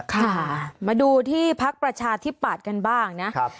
ค่ะมาดูที่พักประชาธิปัตย์กันบ้างนะครับ